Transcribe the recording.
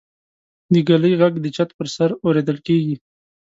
د ږلۍ غږ د چت پر سر اورېدل کېږي.